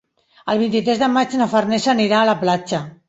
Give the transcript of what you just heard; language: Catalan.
El vint-i-tres de maig na Farners anirà a la platja.